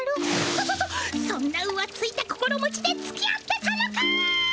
そそそそんなうわついた心持ちでつきあってたのか！